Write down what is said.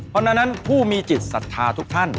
เพราะฉะนั้นผู้มีจิตศรัทธาทุกท่าน